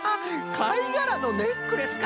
かいがらのネックレスか。